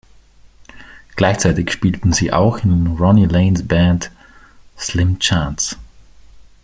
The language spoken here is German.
Gleichzeitig spielten sie auch in Ronnie Lanes Band "Slim Chance".